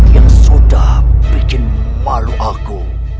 yang sudah bikin malu aku